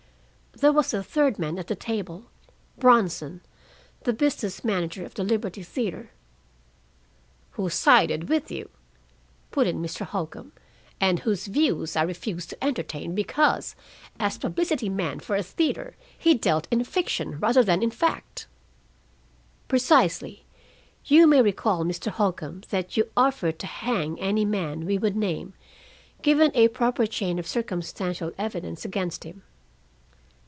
There was a third man at the table Bronson, the business manager of the Liberty Theater." "Who sided with you," put in Mr. Holcombe, "and whose views I refused to entertain because, as publicity man for a theater, he dealt in fiction rather than in fact." "Precisely. You may recall, Mr. Holcombe, that you offered to hang any man we would name, given a proper chain of circumstantial evidence against him?"